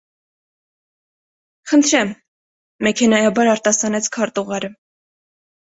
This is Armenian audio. - Խնդրեմ,- մեքենայաբար արտասանեց քարտուղարը: